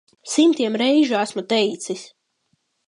Simtiem reižu esmu teicis.